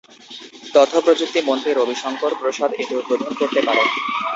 তথ্যপ্রযুক্তি মন্ত্রী রবি শংকর প্রসাদ এটি উদ্বোধন করতে পারেন।